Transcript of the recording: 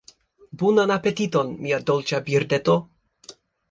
Bonan apetiton, mia dolĉa birdeto.